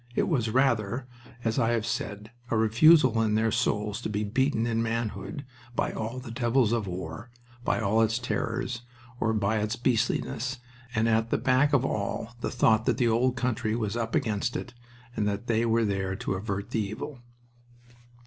It was rather, as I have said, a refusal in their souls to be beaten in manhood by all the devils of war, by all its terrors, or by its beastliness, and at the back of all the thought that the old country was "up against it" and that they were there to avert the evil.